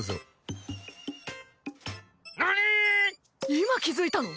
今気づいたの？